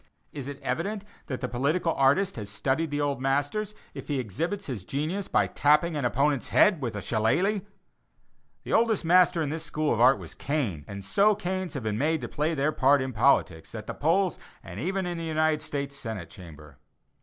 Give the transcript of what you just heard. Is it evident that the political artist has studied the old masters, if he exhibits his genius by tapping an opponent's head with a shillelagh? The oldest master in this school of art was Cain; and so canes have been made to play their part in politics, at the polls and even in the United States Senate Chamber.